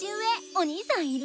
お兄さんいる？